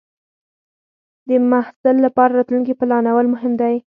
د محصل لپاره راتلونکې پلانول مهم دی.